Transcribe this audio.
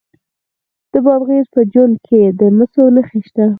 د بادغیس په جوند کې د مسو نښې شته.